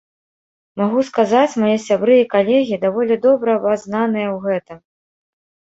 Магу сказаць, мае сябры і калегі даволі добра абазнаныя ў гэтым.